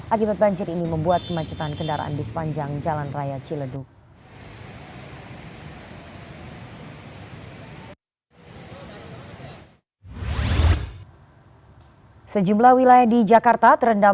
akibat banjir ini membuat kemacetan kendaraan di sepanjang jalan raya ciledug